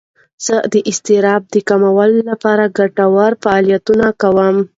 زه د اضطراب د کمولو لپاره ګټور فعالیتونه کوم.